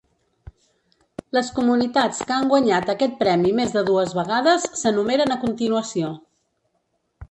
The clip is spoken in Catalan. Les comunitats que han guanyat aquest premi més de dues vegades s'enumeren a continuació.